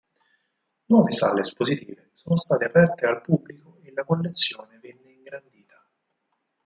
Nuove sale espositive sono state aperte al pubblico e la collezione venne ingrandita.